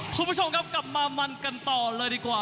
คุณผู้ชมครับกลับมามันกันต่อเลยดีกว่า